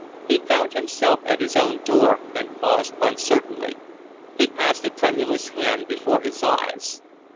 He found himself at his own door, and paused uncertainly. He passed a tremulous hand before his eyes.